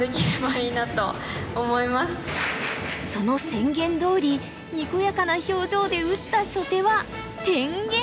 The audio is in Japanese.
その宣言どおりにこやかな表情で打った初手は天元。